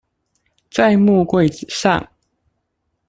在木櫃子上